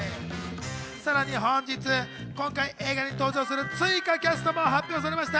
さらに本日、映画に登場する追加キャストも発表されました。